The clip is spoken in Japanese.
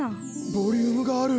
ボリュームがある！